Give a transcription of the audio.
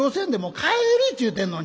帰りっちゅうてんのに」。